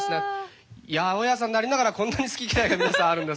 八百屋さんでありながらこんなに好き嫌いが皆さんあるんですね。